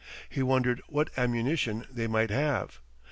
He wondered what ammunition they might have.